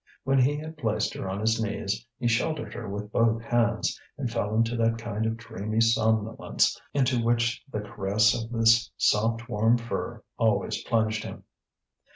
When he had placed her on his knees, he sheltered her with both hands, and fell into that kind of dreamy somnolence into which the caress of this soft warm fur always plunged him.